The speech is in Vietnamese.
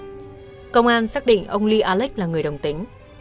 và công an xác định ông lee alex là người đồng tính